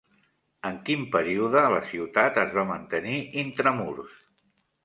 En quin període la ciutat es va mantenir intramurs?